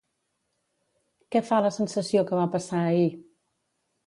Què fa la sensació que va passar ahir?